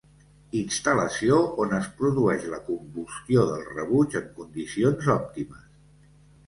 Instal·lació on es produeix la combustió del rebuig en condicions òptimes.